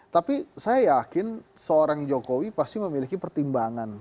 tapi saya yakin seorang jokowi pasti memiliki pertimbangan